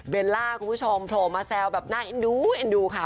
ล่าคุณผู้ชมโผล่มาแซวแบบน่าเอ็นดูเอ็นดูค่ะ